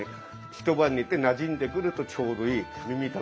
一晩寝てなじんでくるとちょうどいい耳たぶぐらいになる。